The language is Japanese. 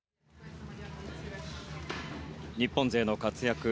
日本勢の活躍